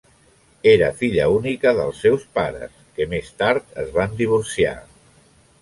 Era filla única dels seus pares, que més tard es van divorciar.